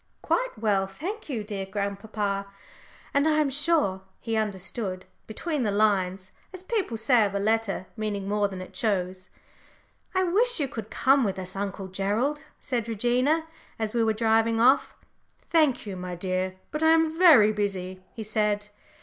"Quite well, thank you, dear grandpapa," and I am sure he understood "between the lines," as people say of a letter meaning more than it shows. "I wish you could come with us, Uncle Gerald," said Regina, as we were driving off. "Thank you, my dear, but I am very busy," he said.